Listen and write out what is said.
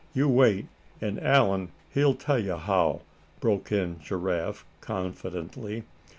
"You wait, and Allan, he'll tell you how," broke in Giraffe, confidently.